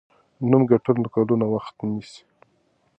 نوم ګټل کلونه وخت نیسي.